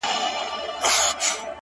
• هر مشکل ته پیدا کېږي یوه لاره,